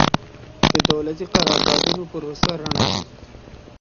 د دولتي قراردادونو پروسه رڼه وي.